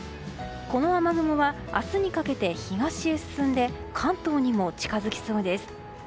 この雨雲は明日にかけて東へ進んで関東にも近づきそうです。